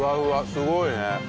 すごいね。